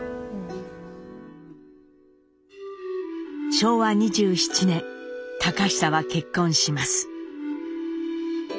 昭和２７年隆久は結婚します。